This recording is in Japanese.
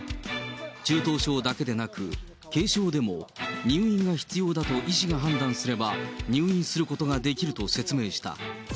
中等症だけでなく、軽症でも入院が必要だと医師が判断すれば、入院することができると説明した。